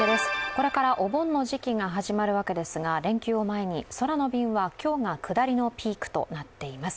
これからお盆の時期が始まるわけですが連休を前に空の便は今日が下りのピークとなっています。